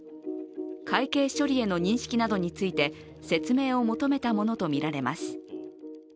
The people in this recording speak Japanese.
会計処理への認識などについて説明を求めたものとみられます。